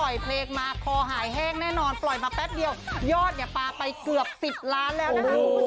ยอดปลาไปเกือบ๑๐ล้านแล้วนะครับคุณผู้ชมฮิตเพลง